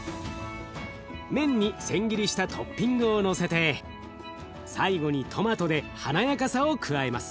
麺に千切りしたトッピングをのせて最後にトマトで華やかさを加えます。